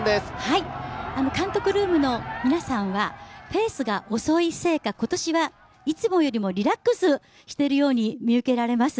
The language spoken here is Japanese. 監督ルームの皆さんはペースが遅いせいか今年はいつもよりもリラックスしているように見受けられます。